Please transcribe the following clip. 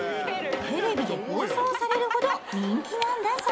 テレビで放送されるほど人気なんだそう！